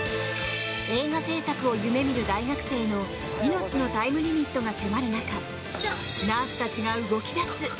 映画制作を夢見る大学生の命のタイムリミットが迫る中ナースたちが動き出す。